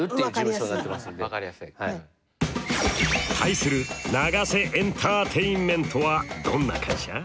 対するＮＡＧＡＳＥエンターテインメントはどんな会社？